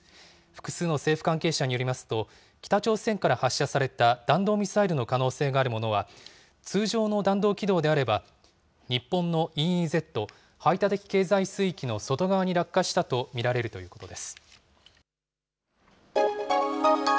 複数の政府関係者によりますと、北朝鮮から発射された弾道ミサイルの可能性のあるものは、通常の弾道軌道であれば、日本のＥＥＺ・排他的経済水域の外側に落下したと見られるということです。